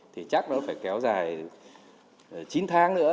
thì chắc nó phải kéo dài chín tháng nữa